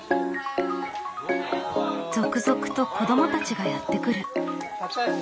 続々と子どもたちがやって来る。